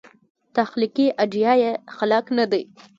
تخلیقي ایډیا یې خلاق نه دی.